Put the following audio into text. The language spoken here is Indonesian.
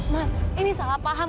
mas ini salah paham